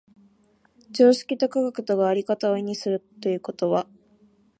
常識と科学とが在り方を異にするということは、